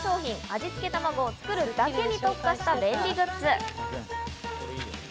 味付けたまごを作るだけに特化した便利グッズ。